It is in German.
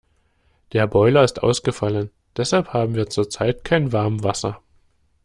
Der Boiler ist ausgefallen, deshalb haben wir zurzeit kein Warmwasser.